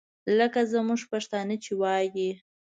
لکه زموږ پښتانه چې وایي.